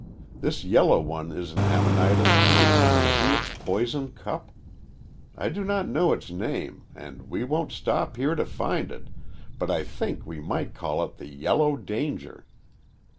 This yellow one is an Amanita, too see its poison cup. I do not know its name, and we won't stop here to find it, but I think we might call it the Yellow Danger."